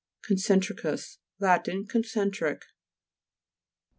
CONCE'NTRICUS Lat. Concentric.